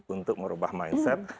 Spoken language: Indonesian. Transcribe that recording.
untuk merubah mindset